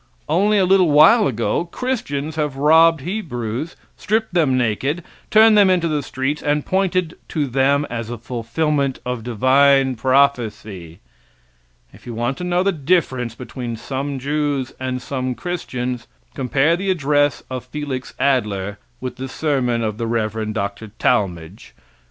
Only a little while ago Christians have robbed Hebrews, stripped them naked, turned them into the streets, and pointed to them as a fulfillment of divine prophecy. If you want to know the difference between some Jews and some Christians compare the address of Felix Adler with the sermon of the Rev. Dr. Talmage. Mr.